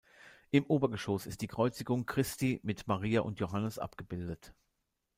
Im Obergeschoss ist die Kreuzigung Christi mit Maria und Johannes abgebildet.